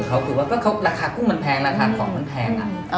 หรือว่าราคาคุ้งมันแพงราคาของเค้าแพง